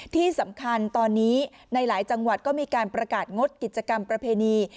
ที่สำคัญตอนนี้ในหลายจังหวัดก็มีการประกาศงดกิจกรรมประเพณี